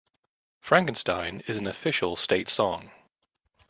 Frankenstein, is an official state song.